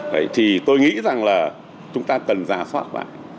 vậy thì tôi nghĩ rằng là chúng ta cần giả soát lại